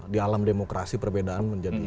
di alam demokrasi perbedaan menjadi